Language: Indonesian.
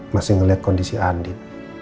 masih ngeliat kondisi andin